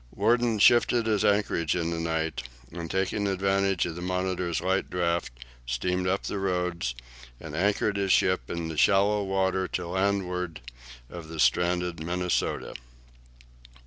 Worden shifted his anchorage in the night, and taking advantage of the "Monitor's" light draught steamed up the Roads, and anchored his ship in the shallow water to landward of the stranded "Minnesota."